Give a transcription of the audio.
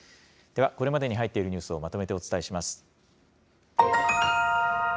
ではこれまでに入っているニュースをまとめてお伝えします。